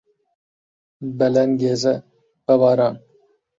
بە لەنگێزە، بە باران